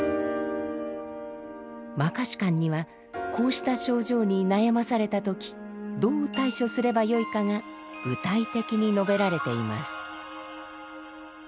「摩訶止観」にはこうした症状に悩まされた時どう対処すればよいかが具体的に述べられています。